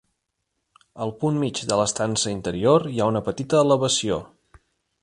Al punt mig de l'estança interior hi ha una petita elevació.